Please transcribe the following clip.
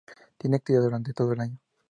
Tiene actividad durante todo el año.